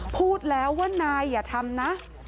พูดแล้วว่านายอย่าทำนะ